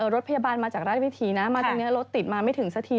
รถพยาบาลมาจากราชวิถีนะมาตรงนี้รถติดมาไม่ถึงสักที